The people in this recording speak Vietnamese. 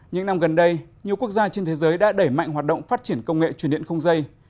những năm gần đây nhiều quốc gia trên thế giới đã đẩy mạnh hoạt động phát triển công nghệ truyền điện không dây